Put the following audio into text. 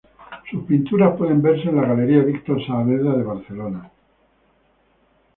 Sus pinturas pueden verse en la galería Víctor Saavedra de Barcelona.